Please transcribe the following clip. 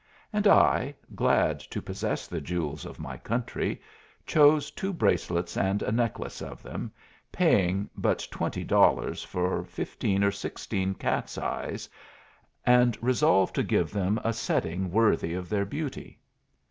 And I, glad to possess the jewels of my country, chose two bracelets and a necklace of them, paying but twenty dollars for fifteen or sixteen cat's eyes, and resolved to give them a setting worthy of their beauty.